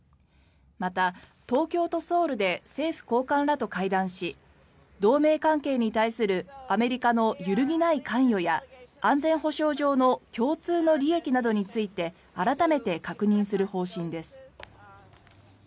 また、東京とソウルで政府高官らと会談し同盟関係に対するアメリカの揺るぎない関与や安全保障上の共通の利益などについて改めて確認する方針です。